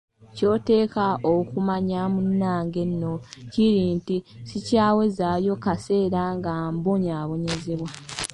Ky’oteeka okumanya munnange nno kiri nti sikyawezaayo kaseera nga mbonyabonyezebwa.